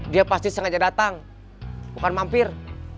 dia pasti sengaja datang bukan mampir